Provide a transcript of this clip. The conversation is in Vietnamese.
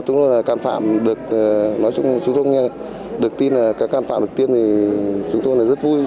chúng tôi là cán phạm được tiêm chúng tôi rất vui